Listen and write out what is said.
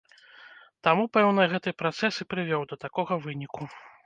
Таму, пэўна, гэты працэс і прывёў да такога выніку.